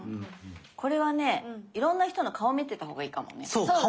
これはねいろんな人の顔見てた方がいいかもね。